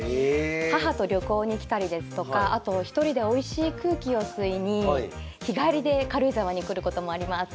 母と旅行に来たりですとかあと１人でおいしい空気を吸いに日帰りで軽井沢に来ることもあります。